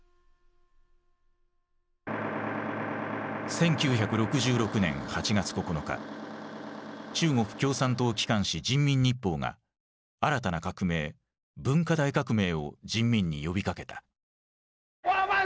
１９６６年８月９日中国共産党機関紙「人民日報」が新たな革命「文化大革命」を人民に呼びかけた。